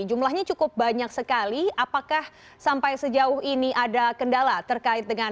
jumlahnya cukup banyak sekali apakah sampai sejauh ini ada kendala terkait dengan